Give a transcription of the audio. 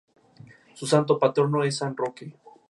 En el episodio "Who Are You Now?